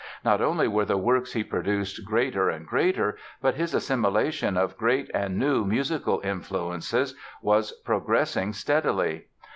Not only were the works he produced greater and greater, but his assimilation of great and new musical influences was progressing steadily.